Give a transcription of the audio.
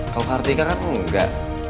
kalau kartika kan enggak